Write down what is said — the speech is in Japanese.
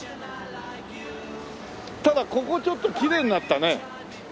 ただここちょっときれいになったね。